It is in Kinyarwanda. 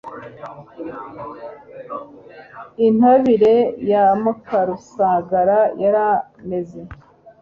Intabire ya Mukarusagara yarameze